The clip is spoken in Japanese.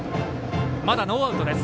まだノーアウトです。